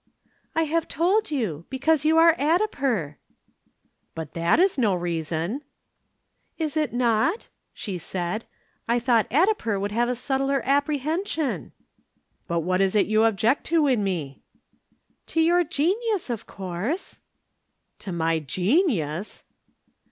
"I have told you. Because you are Addiper." "But that is no reason." "Is it not?" she said. "I thought Addiper would have a subtler apprehension." "But what is it you object to in me?" "To your genius, of course." "To my genius!"